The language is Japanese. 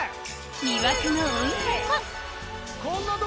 魅惑の温泉も